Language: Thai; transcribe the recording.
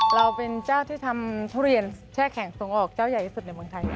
เราเป็นเจ้าที่ทำทุเรียนแช่แข็งส่งออกเจ้าใหญ่ที่สุดในเมืองไทย